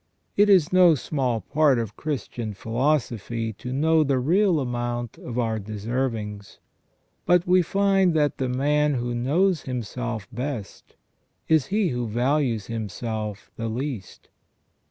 It is no small part of Christian philosophy to know the real amount of our deservings ; but we find that the man who knows himself best is he who values himself the least.